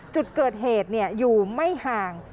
จุดเกิดเหตุอยู่ไม่ห่าง